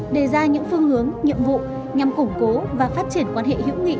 đề ra những phương hướng nhiệm vụ nhằm củng cố và phát triển quan hệ hữu nghị